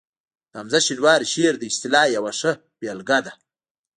د حمزه شینواري شعر د اصطلاح یوه ښه بېلګه ده